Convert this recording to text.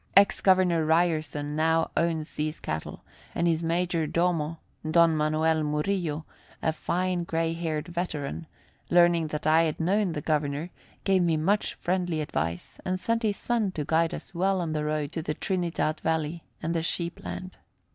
Ex Governor Ryerson now owns these cattle, and his major domo, Don Manuel Murillo, a fine gray haired veteran, learning that I had known the Governor, gave me much friendly advice, and sent his son to guide us well on the road to the Trinidad Valley and the sheep land.